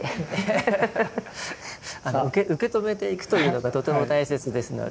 受け止めていくというのがとても大切ですので。